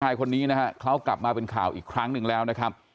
ชายคนนี้นะฮะเขากลับมาเป็นข่าวอีกครั้งหนึ่งแล้วนะครับ